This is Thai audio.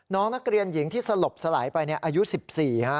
น้องนักเรียนหญิงที่สลบสลายไปอายุ๑๔ฮะ